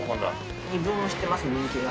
二分をしてます人気が。